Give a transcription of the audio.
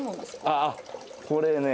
ああ、これね。